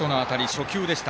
初球でした。